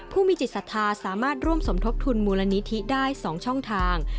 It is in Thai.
ผู้มีจิตศรัทธาสามารถร่วมสมทบทุนมูลนิธิได้๒ช่องทาง